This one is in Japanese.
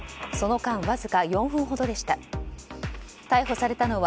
その間わずか４分ほどでした。